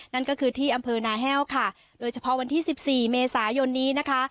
นั่นก็คือที่อำเภอนาแห้วค่ะโดยเฉพาะวันที่สิบสี่เมษายนนี้นะคะ